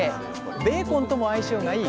ベーコンとも相性がいい